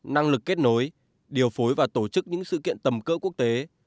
năng lực kết nối điều phối và tổ chức những sự kiện tầm cỡ quốc tế